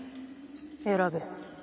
選べ。